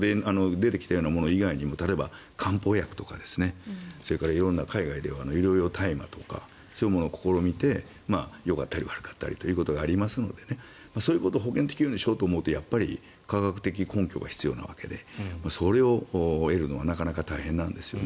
ここにある以外にも例えば漢方薬とか色んな、海外では医療用大麻とかそういうのを試みてよかったり悪かったりということがありますのでそういうことを保険適用にしようと思うと科学的根拠が必要なわけでそれを得るのがなかなか大変なんですよね。